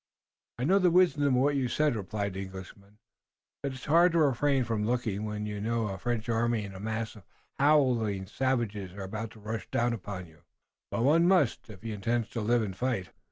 "I know the wisdom of what you say," replied the Englishman, "but it's hard to refrain from looking when you know a French army and a mass of howling savages are about to rush down upon you." "But one must, if he intends to live and fight."